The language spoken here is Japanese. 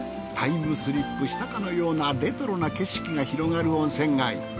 タイムスリップしたかのようなレトロな景色が広がる温泉街。